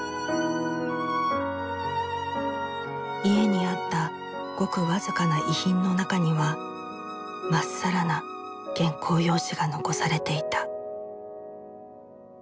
家にあったごく僅かな遺品の中にはまっさらな原稿用紙が残されていた。